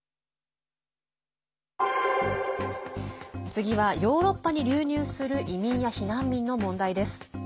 次は、ヨーロッパに流入する移民や避難民の問題です。